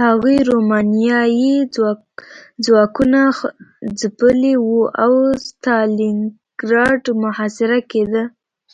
هغوی رومانیايي ځواکونه ځپلي وو او ستالینګراډ محاصره کېده